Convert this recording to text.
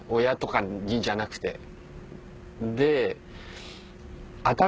親とかにじゃなくて。